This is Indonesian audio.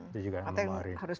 itu juga harus membaris